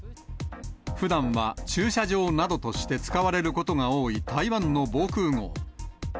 ふだんは駐車場などとして使われることが多い台湾の防空ごう。